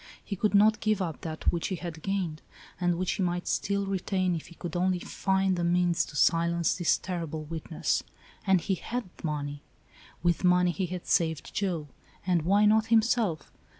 He could not give up that which he had gained, and which he might still retain, if he could only find the means to silence this terrible witness. And he had money. With money he had saved Joe, and why not himself?